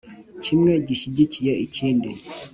kimwe gishyigikiye ikindi!